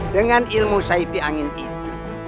dengan ilmu saipi angin itu